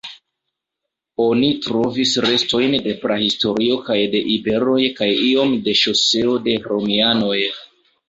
Oni trovis restojn de prahistorio kaj de iberoj kaj iom de ŝoseo de romianoj.